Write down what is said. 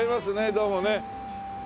どうもね。